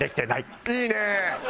いいね！